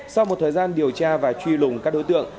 sau một thời gian điều tra và truy lùng các đối tượng